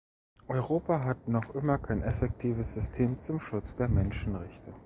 Europa hat noch immer kein effektives System zum Schutz der Menschenrechte.